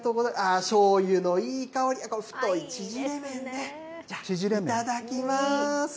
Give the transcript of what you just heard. ああ、しょうゆのいい香り、太い縮れ麺ね、じゃあ、いただきます。